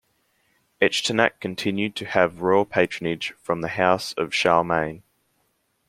Echternach continued to have royal patronage from the house of Charlemagne.